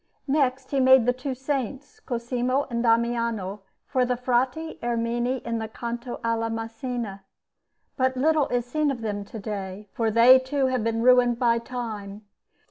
Next, he made the two Saints, Cosimo and Damiano, for the Frati Ermini in the Canto alla Macine, but little is seen of them to day, for they too have been ruined by time.